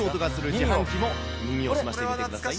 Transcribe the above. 耳を澄ませてみてください。